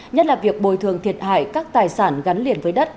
nhất là việc bồi thường thiệt hại các tài sản gắn liền với đất